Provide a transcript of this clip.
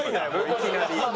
いきなり。